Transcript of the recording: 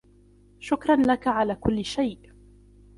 شکراً لك علی کل شيء.